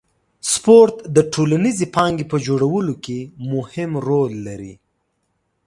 سپورت د ټولنیزې پانګې په جوړولو کې مهم رول لري.